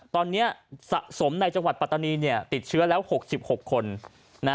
ตอนนี้สะสมในจังหวัดปัตตานีโหว่๖๖คน